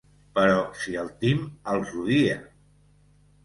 Però si el Tim els odia!